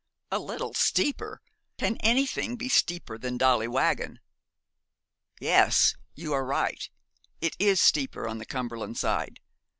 'A little steeper! I Can anything be steeper than Dolly Waggon? Yes, you are right. It is steeper on the Cumberland side.